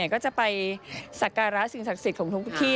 ก็จะไปสักการะสิ่งศักดิ์สิทธิ์ของทุกที่